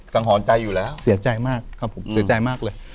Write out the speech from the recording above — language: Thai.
หอนใจอยู่แล้วเสียใจมากครับผมเสียใจมากเลย